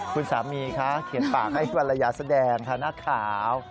คุณสามีคะเขียนปากให้ภรรยาแสดงค่ะนักข่าว